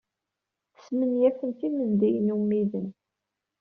Smenyafent imendiyen ummiden.